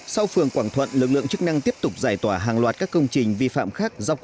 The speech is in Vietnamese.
sau phường quảng thuận lực lượng chức năng tiếp tục giải tỏa hàng loạt các công trình vi phạm khác dọc